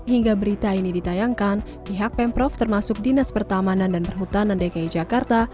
hingga berita ini ditayangkan pihak pemprov termasuk dinas pertamanan dan perhutanan dki jakarta